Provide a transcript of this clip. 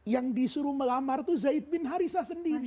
yang disuruh melamar itu zaid bin harithah sendiri